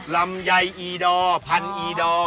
ลำไยอีดอพันอีดอ